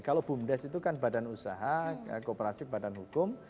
kalau bumdes itu kan badan usaha kooperasi badan hukum